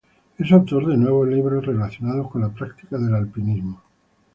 Es autor de nueve libros relacionados con la práctica del alpinismo.